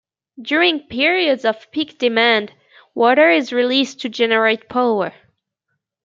During periods of peak demand water is released to generate power.